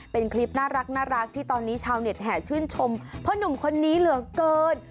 เป็นคลิปน่ารักที่ตอนนี้ชาวเน็ตแห่ชื่นชมพ่อหนุ่มคนนี้เหลือเกิน